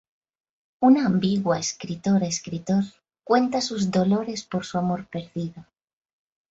Una ambigua escritora-escritor cuenta sus dolores por su amor perdido.